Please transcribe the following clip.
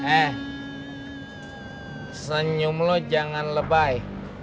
eh senyum lo jangan lebay